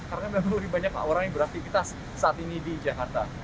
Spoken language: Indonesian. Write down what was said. karena memang lebih banyak orang yang beraktivitas saat ini di jakarta